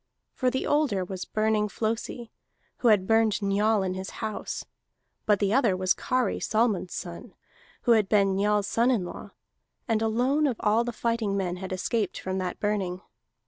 For the older was Burning Flosi, who had burned Njal in his house; but the other was Kari Solmund's son, who had been Njal's son in law, and alone of all the fighting men had escaped from that burning.